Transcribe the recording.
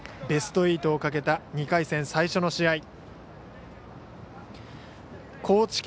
ベスト８をかけた２回戦最初の試合。